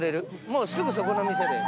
もうすぐそこの店で。